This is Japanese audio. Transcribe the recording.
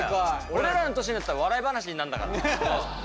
俺らの年になったら笑い話になんだから。